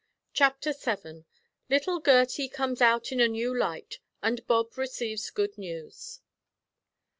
CHAPTER SEVEN. LITTLE GERTIE COMES OUT IN A NEW LIGHT, AND BOB RECEIVES GOOD NEWS.